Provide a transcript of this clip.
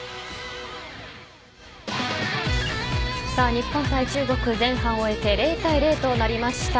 日本対中国、前半を終えて０対０となりました。